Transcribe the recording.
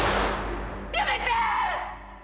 やめて‼